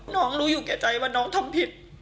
น้องรู้อยู่ใกล้ใจว่าน้องทำผิด